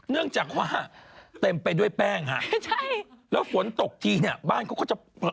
เนื่องจากว่าเต็มไปด้วยแป้งค่ะแล้วฝนตกทีบ้านเขาก็จะเผลอเลย